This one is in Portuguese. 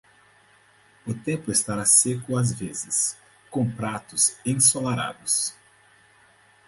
O tempo estará seco às vezes, com pratos ensolarados.